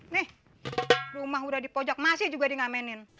nih rumah udah dipojak masih juga dingamenin